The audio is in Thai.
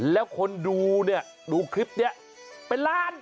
แล้วคนดูเนี่ยดูคลิปนี้เป็นล้าน